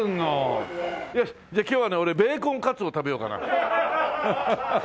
よしじゃあ今日はねベーコンカツを食べようかな。